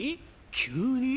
急に？